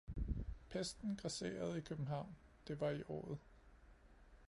Pesten grasserede i københavn, det var i året